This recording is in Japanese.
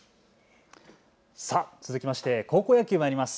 続きまして高校野球まいります。